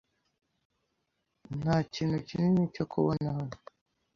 Nta kintu kinini cyo kubona hano.